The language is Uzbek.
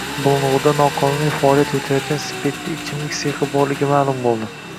Bulung‘urda noqonuniy faoliyat yuritayotgan spirtli ichimlik sexi borligi ma’lum bo‘ldi